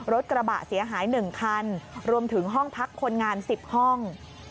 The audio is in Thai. รถกระบะเสียหาย๑คันรวมถึงห้องพักคนงาน๑๐ห้อง